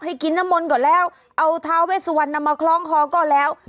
กินน้ำมนต์ก่อนแล้วเอาท้าเวสวันนำมาคล้องคอก็แล้ว